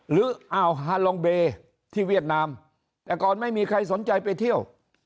อ่าวฮาลองเบที่เวียดนามแต่ก่อนไม่มีใครสนใจไปเที่ยว